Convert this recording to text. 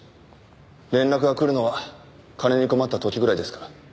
連絡が来るのは金に困った時ぐらいですから。